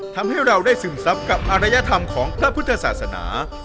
ทำให้เราได้ซึมซับกับอารยธรรมของพระพุทธศาสนา